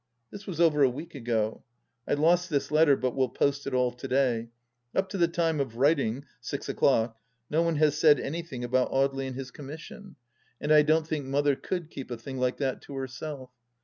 This was over a week ago. I lost this letter, but will post it all to day. Up to the time of writing — six o'clock — ^no one has said anything about Audely and his commission, and I don't think Mother could keep a thing like that to herself.